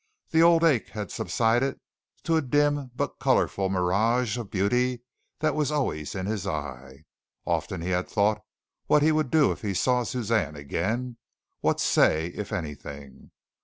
The old ache had subsided to a dim but colorful mirage of beauty that was always in his eye. Often he had thought what he would do if he saw Suzanne again what say, if anything.